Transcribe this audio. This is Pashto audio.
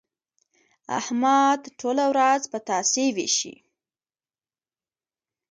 احمد ټوله ورځ پتاسې وېشي.